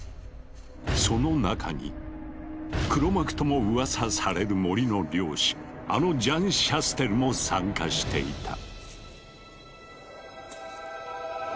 その中に黒幕ともウワサされる森の猟師あのジャン・シャステルも参加していた。